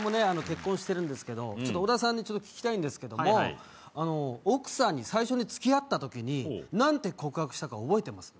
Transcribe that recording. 結婚してるんですけどちょっと小田さんに聞きたいんですけども奥さんに最初につきあった時に何て告白したか覚えてます？